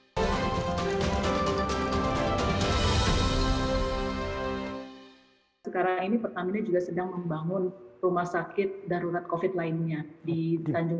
hai sekarang ini pertamanya juga sedang membangun rumah sakit darurat kofit lainnya di tanjung